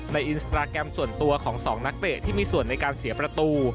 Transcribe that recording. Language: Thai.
ในอินสตราแกรมส่วนตัวของสองนักเตะที่มีส่วนในการเสียประตู